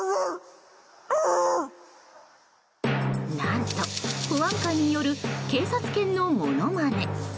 何と、保安官による警察犬のものまね。